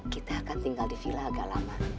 kita akan tinggal di villa agak lama